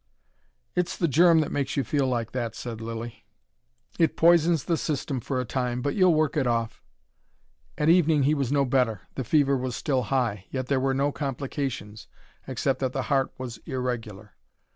"It's the germ that makes you feel like that," said Lilly. "It poisons the system for a time. But you'll work it off." At evening he was no better, the fever was still high. Yet there were no complications except that the heart was irregular.